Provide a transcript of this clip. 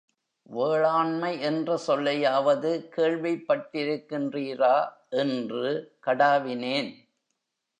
வேளாண்மை என்ற சொல்லையாவது கேள்விப்பட்டிருக்கின்றீரா? என்று கடாவினேன்.